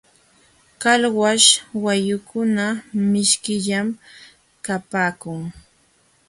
Qalwaśh wayukuna mishkillam kapaakun.